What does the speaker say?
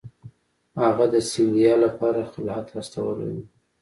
هغه د سیندیا لپاره خلعت استولی وو.